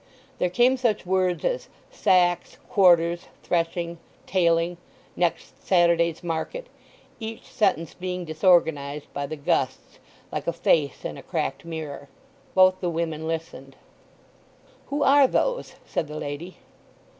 There came such words as "sacks," "quarters," "threshing," "tailing," "next Saturday's market," each sentence being disorganized by the gusts like a face in a cracked mirror. Both the women listened. "Who are those?" said the lady.